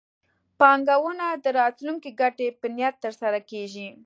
پانګونه د راتلونکي ګټې په نیت ترسره کېږي.